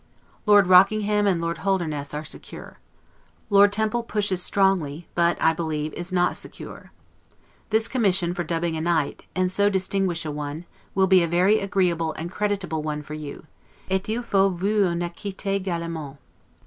Lord Rockingham and Lord Holdernesse are secure. Lord Temple pushes strongly, but, I believe, is not secure. This commission for dubbing a knight, and so distinguished a one, will be a very agreeable and creditable one for you, 'et il faut vous en acquitter galamment'.